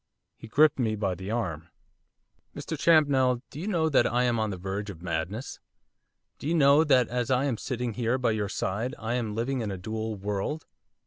He gripped me by the arm. 'Mr Champnell, do you know that I am on the verge of madness? Do you know that as I am sitting here by your side I am living in a dual world?